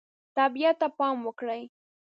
طبیعت ته پام وکړئ.